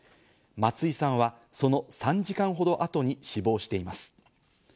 松井さんはその３時間ほど後に死亡しています。